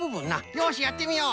よしやってみよう。